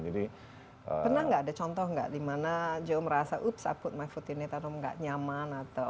pernah nggak ada contoh nggak dimana joe merasa oops i put my foot in the bathroom nggak nyaman atau